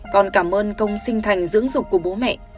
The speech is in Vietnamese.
còn cảm ơn công sinh thành dưỡng dục của bố mẹ